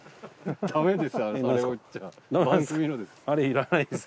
あれいらないです